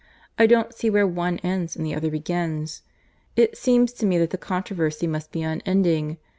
I don't see where one ends and the other begins. It seems to me that the controversy must be unending.